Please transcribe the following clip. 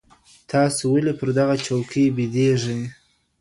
تاسي ولي پر دغه چوکۍ بېدېږئ؟